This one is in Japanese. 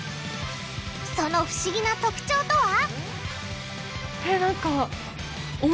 その不思議な特徴とは！？